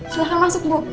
silahkan masuk bu